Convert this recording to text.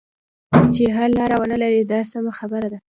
چې حل لاره ونه لري دا سمه خبره ده.